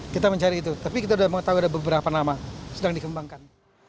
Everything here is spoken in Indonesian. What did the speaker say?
kita mencari itu tapi kita sudah mengetahui ada beberapa nama sedang dikembangkan